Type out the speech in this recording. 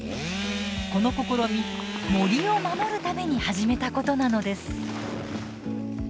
この試み森を守るために始めたことなのです。